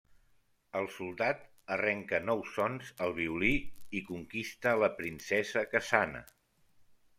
El soldat arrenca nous sons al violí i conquista la princesa, que sana.